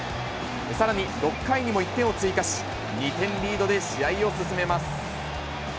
さらに６回にも１点を追加し、２点リードで試合を進めます。